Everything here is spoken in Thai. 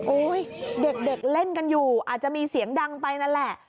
เด็กเล่นกันอยู่อาจจะมีเสียงดังไปนั่นแหละ